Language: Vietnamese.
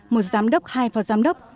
một giám đốc hai phó giám đốc